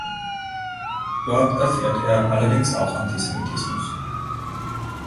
Dort erfährt er allerdings auch Antisemitismus.